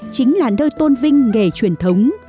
chính là nơi tôn vinh nghề truyền thống